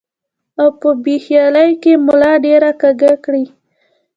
او پۀ بې خيالۍ کښې ملا ډېره کږه کړي ـ